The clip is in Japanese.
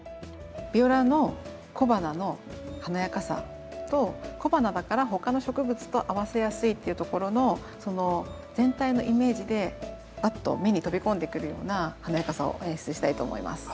ビオラの小花の華やかさと小花だから他の植物と合わせやすいっていうところのその全体のイメージでバッと目に飛び込んでくるような華やかさを演出したいと思います。